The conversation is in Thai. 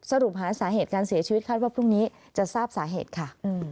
สรุปหาสาเหตุการเสียชีวิตคาดว่าพรุ่งนี้จะทราบสาเหตุค่ะ